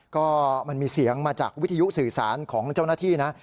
ก็มันมีเสียงมาจากวิทยุสื่อสารของเจ้าหน้าที่นะ